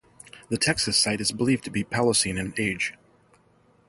The Texas site is believed to be Paleocene in age.